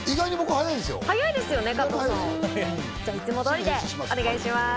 早いですよね、加藤さん。いつも通りでお願いします。